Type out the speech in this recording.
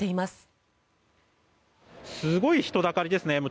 すごい人だかりですね。